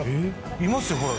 いますよほら。